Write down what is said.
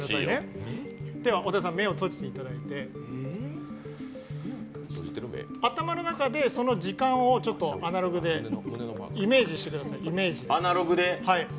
では小田さん、目を閉じていただいて頭の中で、その時間をアナログでイメージしてください。